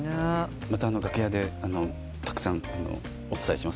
また楽屋でたくさんお伝えしますんで。